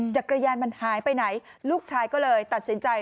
จักรยานมันหายไปไหนลูกชายก็เลยตัดสินใจ